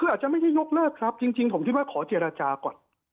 คืออาจจะไม่ได้ยกเลิกครับจริงผมคิดว่าขอเจรจาก่อน